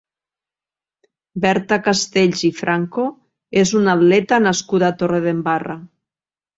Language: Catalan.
Berta Castells i Franco és una atleta nascuda a Torredembarra.